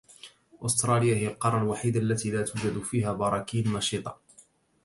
استراليا هي القارة الوحيدة التي لاتوجد فيها براكين نشطة.